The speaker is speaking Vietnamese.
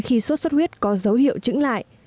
khi sốt xuất huyết có dấu hiệu chứng lại